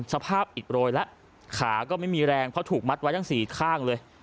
สภาพอิดโรยแล้วขาก็ไม่มีแรงเพราะถูกมัดไว้ทั้งสี่ข้างเลย